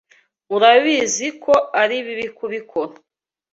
Urabizi ko ari bibi kubikora.